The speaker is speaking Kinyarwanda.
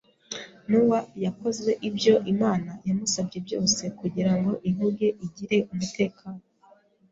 Nowa yakoze ibyo Imana yamusabye byose kugira ngo inkuge igire umutekano;